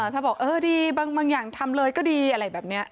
ถ้าบอกเออดีบางอย่างทำเลยก็ดีอะไรแบบนี้